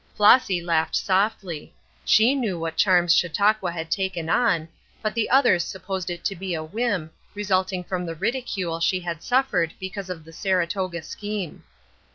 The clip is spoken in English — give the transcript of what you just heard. Flossy laughed softly; she knew what charms Chautauqua had taken on, but the others supposed it to be a whim, resulting from the ridicule she had suffered because of the Saratoga scheme.